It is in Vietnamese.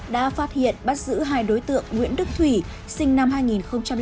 đã phát hiện bắt giữ hai đối tượng nguyễn đức thủy sinh năm hai nghìn chín